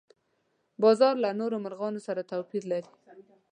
باز له نورو مرغانو سره توپیر لري